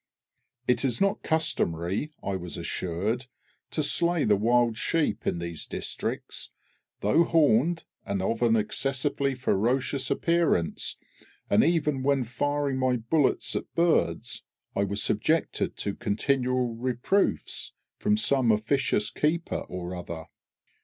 It is not customary, I was assured, to slay the wild sheep in these districts, though horned, and of an excessively ferocious appearance, and even when firing my bullets at birds, I was subjected to continual reproofs from some officious keeper or other.